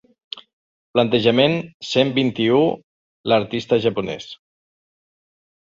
Plantejament cent vint-i-u l'artista japonès.